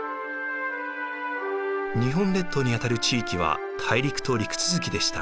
日本列島にあたる地域は大陸と陸続きでした。